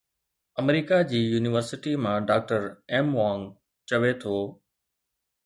آمريڪا جي يونيورسٽي مان doctor Mwang چوي ٿو